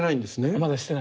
まだしてない。